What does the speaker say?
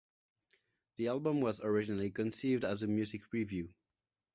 The album was originally conceived as a music revue.